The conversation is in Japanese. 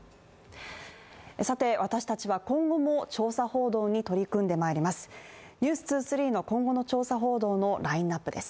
私たちは今後も調査報道に取り組んでまいります。